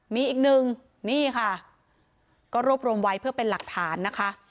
มีอีกหนึ่งนี่ค่ะก็รวบรวมไว้เพื่อเป็นหลักฐานนะคะ